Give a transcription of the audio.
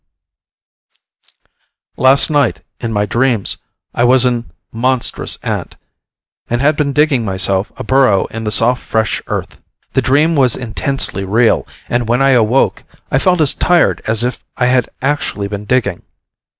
_ Last night, in my dreams, I was a monstrous ant, and had been digging myself a burrow in the soft fresh earth. The dream was intensely real, and when I awoke, I felt as tired as if I had actually been digging.